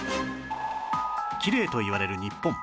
きれいといわれる日本